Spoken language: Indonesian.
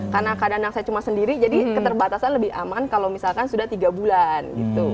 karena keadaan saya cuma sendiri jadi keterbatasan lebih aman kalau misalkan sudah tiga bulan